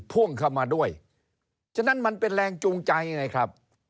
พ่วงเข้ามาด้วยฉะนั้นมันเป็นแรงจูงใจไงครับ